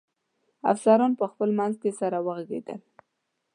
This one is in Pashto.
افسران په خپل منځ کې سره و غږېدل.